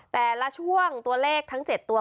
แต่ละช่วงตัวเลขทั้ง๗ตัว